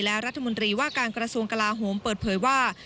และรัฐมนตรีว่าการกระทรวงกลาโหมเปิดเผยว่า